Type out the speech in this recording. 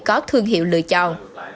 có thương hiệu lựa chọn